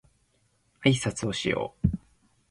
あいさつをしよう